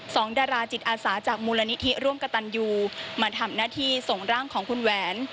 ดาราจิตอาสาจากมูลนิธิร่วมกระตันยูมาทำหน้าที่ส่งร่างของคุณแหวน